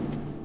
aku mau makan